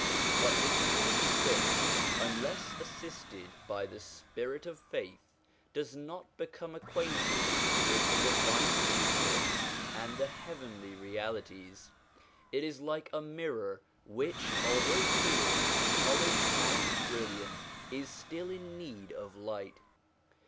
But the human spirit, unless assisted by the spirit of faith, does not become acquainted with the divine secrets and the heavenly realities. It is like a mirror which, although clear, polished, and brilliant, is still in need of light.